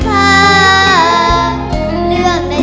ขอบคุณครับ